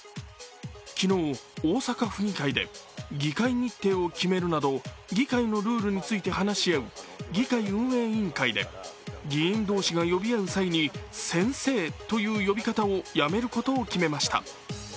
昨日、大阪府議会で議会日程を決めるなど議会のルールについて話し合う議会運営委員会で議員同士が呼び合う際に先生という呼び方をやめることを決めました。